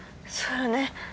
そうよね。